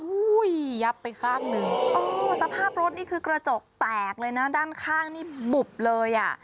ยับไปข้างหนึ่งอ๋อสภาพรถนี่คือกระจกแตกเลยนะด้านข้างนี่บุบเลยอ่ะ